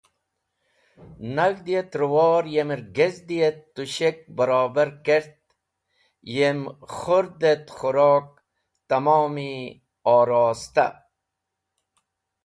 Nag̃hd et rẽwor yemer gezd et tushek barobar kert yem khũrd et khũrok tamomi orosta.